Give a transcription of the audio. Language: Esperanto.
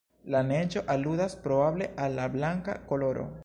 La neĝo aludas probable al la blanka koloro.